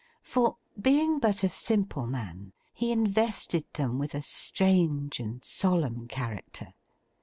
For, being but a simple man, he invested them with a strange and solemn character.